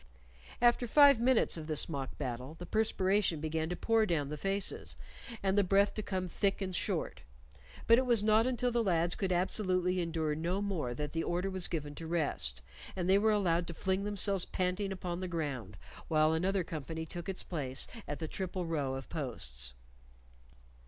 After five minutes of this mock battle the perspiration began to pour down the faces, and the breath to come thick and short; but it was not until the lads could absolutely endure no more that the order was given to rest, and they were allowed to fling themselves panting upon the ground, while another company took its place at the triple row of posts.